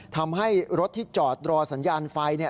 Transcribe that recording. ทำให้รถที่จอดรอสัญญาณไฟ